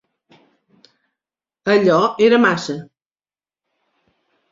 Allò era massa.